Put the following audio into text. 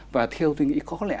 và theo tôi nghĩ có lẽ